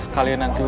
kalian nanti udah